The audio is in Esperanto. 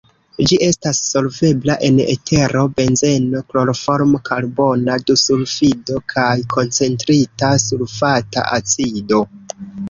Ĝi estas solvebla en etero, benzeno, kloroformo, karbona dusulfido kaj koncentrita sulfata acido.